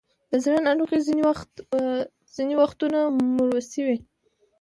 د زړه ناروغۍ ځینې وختونه موروثي وي.